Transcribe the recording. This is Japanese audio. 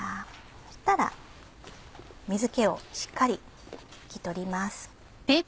そしたら水気をしっかり拭き取ります。